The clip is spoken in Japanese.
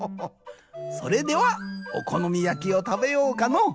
それではおこのみやきをたべようかのう。